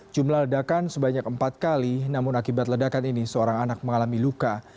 jumlah ledakan sebanyak empat kali namun akibat ledakan ini seorang anak mengalami luka